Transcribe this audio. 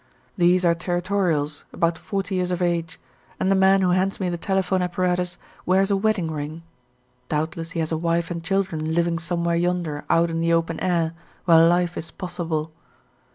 These are territorials, about forty years of age, and the man who hands me the telephone apparatus wears a wedding ring doubtless he has a wife and children living somewhere yonder out in the open air, where life is possible.